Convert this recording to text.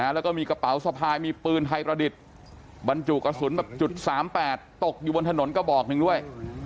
แล้วก็มีกระเป๋าสะพายมีปืนไทยประดิษฐ์บรรจุกระสุนแบบจุด๓๘ตกอยู่บนถนนกระบอกหนึ่งด้วย